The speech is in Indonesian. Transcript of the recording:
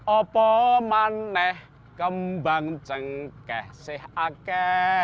opo maneh kembang cengkeh sehake